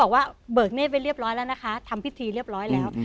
บอกว่าเบิกเนธไปเรียบร้อยแล้วนะคะทำพิธีเรียบร้อยแล้ว